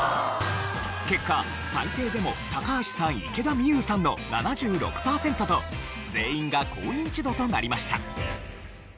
結果最低でも高橋さん池田美優さんの７６パーセントと全員が高ニンチドとなりました。